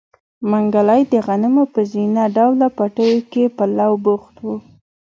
منګلی د غنمو په زينه ډوله پټيو کې په لو بوخت و.